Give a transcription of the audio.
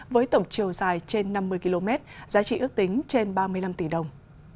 với tổng chiều dài trên năm mươi km giá trị ước tính trên ba mươi năm tỷ đồng